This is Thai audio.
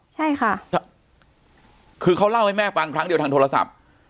ใช่ค่ะคือเขาเล่าให้แม่ฟังครั้งเดียวทางโทรศัพท์